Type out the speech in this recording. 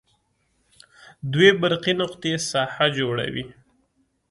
دوې برقي نقطې ساحه جوړوي.